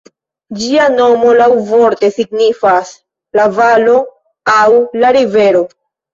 Ĝia nomo laŭvorte signifas "la valo" aŭ "la rivero".